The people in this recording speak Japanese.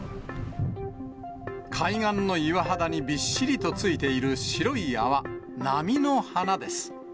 海岸の岩肌にびっしりとついている白い泡、波の花です。